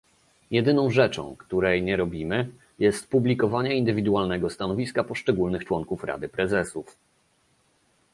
Jedyną rzeczą, której nie robimy, jest publikowanie indywidualnego stanowiska poszczególnych członków Rady Prezesów